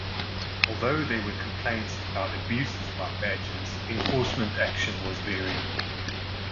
Although there were complaints about abuses by badgers enforcement action was variable.